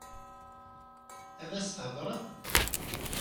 Ad as-theḍṛeḍ?